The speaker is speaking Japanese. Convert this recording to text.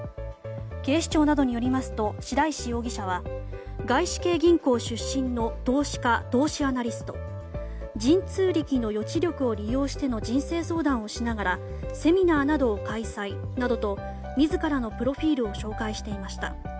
警視庁などによりますと白石容疑者は外国系銀行出身の投資家、投資アナリスト神通力の予知力を利用しての人生相談をしながらセミナーなどを開催などと自らのプロフィールを紹介していました。